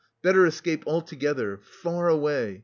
Better escape altogether... far away...